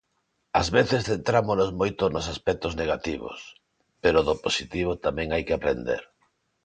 Ás veces centrámonos moito nos aspectos negativos, pero do positivo tamén hai que aprender.